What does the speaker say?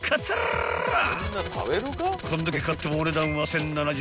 ［こんだけ買ってもお値段は］